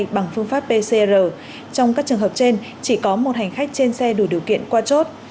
bằng phương pháp pcr trong các trường hợp trên chỉ có một hành khách trên xe đủ điều kiện qua chốt